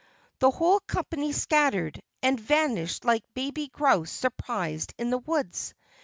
The whole company scattered and vanished like baby grouse surprised in the woods.